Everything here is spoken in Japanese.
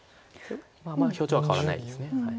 まだ表情は変わらないです。